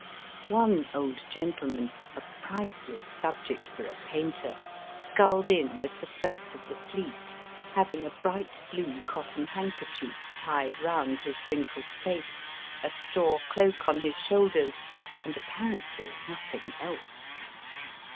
One old gentleman, a priceless sub ject for a painter, sculled in with the first of the fleet, having a bright blue cotton hand kerchief tied round his wrinkled face, a straw cloak on his shoulders, and apparently nothing else.